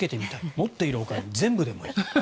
持っているお金を全部でもいい。